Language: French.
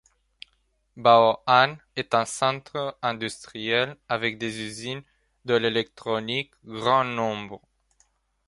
Bao'an est un centre industriel avec des usines de l'électronique grand nombre.